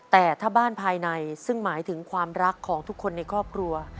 แต่ถ้าบ้านภายในซึ่งหมายถึงความรักของทุกคนในครอบครัว